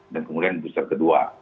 dan kemudian booster kedua